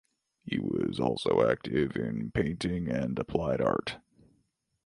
He was also active in painting and applied art.